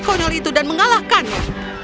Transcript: konel itu dan mengalahkannya